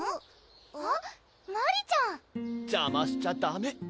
あっマリちゃん！邪魔しちゃダメ！